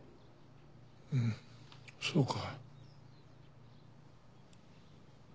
うんそうか。